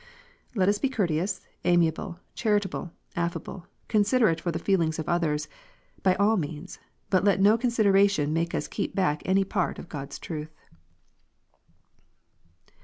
Let us be courteous, amiable, charitable, affable, considerate for the feelings of others, by all means, but let no consideration make us keep back any part of God s truth.